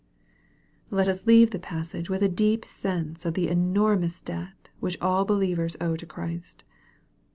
Let us leave the passage with a deep sense of the enormous debt which all believers owe to Christ.